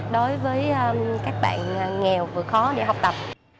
đối với các bạn nghèo vừa khó để học tập